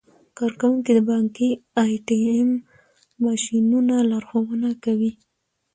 کارکوونکي د بانکي ای ټي ایم ماشینونو لارښوونه کوي.